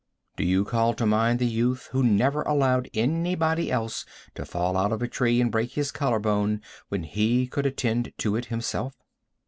Do you call to mind the youth who never allowed anybody else to fall out of a tree and break his collar bone when he could attend to it himself?